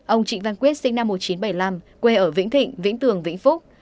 ông trịnh văn quyết sinh năm một nghìn chín trăm bảy mươi năm quê ở vĩnh thịnh vĩnh tường vĩnh phúc